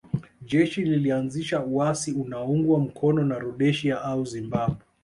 Jeshi lilianzisha uasi unaoungwa mkono na Rhodesia au Zimbabwe